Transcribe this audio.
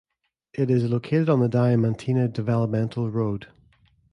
It is located on the Diamantina Developmental Road.